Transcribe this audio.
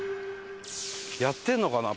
やってるのかな？